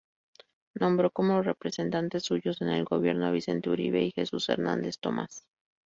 Nombró como representantes suyos en el gobierno a Vicente Uribe y Jesús Hernández Tomás.